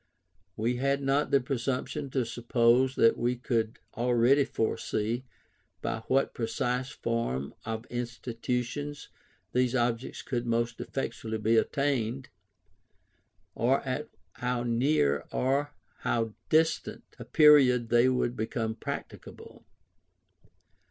We had not the presumption to suppose that we could already foresee, by what precise form of institutions these objects could most effectually be attained, or at how near or how distant a period they would become practicable.